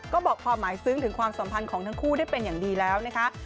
ก็บอกความหมายซึ้งถึงความสัมพันธ์ของทั้งคู่ได้เป็นอย่างดีแล้วนะคะ